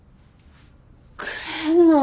くれんの？